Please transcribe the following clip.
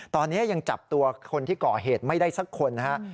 ตอนนี้ยังจับตัวคนที่ก่อเหตุไม่ได้สักคนนะครับ